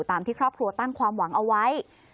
ตามที่ครอบครัวตั้งความหวังเอาไว้